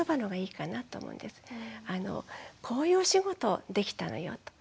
こういうお仕事できたのよと。